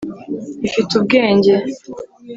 ifite ubwenge